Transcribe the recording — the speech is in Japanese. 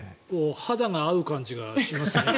肌が合う感じがしますね。